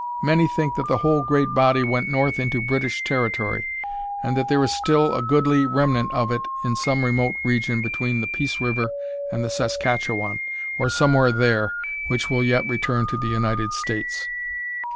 Many think that the whole great body went north into British territory, and that there is still a goodly remnant of it in some remote region between the Peace River and the Saskatchewan, or somewhere there, which will yet return to the United States.